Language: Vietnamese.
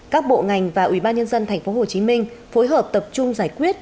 các bộ ngành và ủy ban nhân dân tp hcm phối hợp tập trung giải quyết